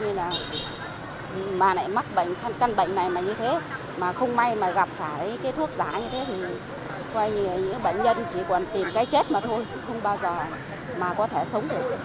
đều nhắc đến những bệnh nhân có thể sống được